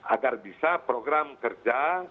agar bisa program kerja